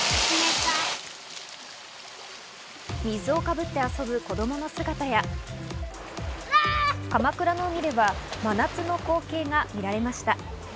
水をかぶって遊ぶ子供の姿や鎌倉の海では真夏の光景が見られました。